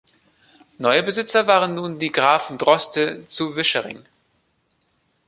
Neue Besitzer waren nun die Grafen Droste zu Vischering.